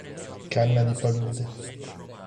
Canna di palude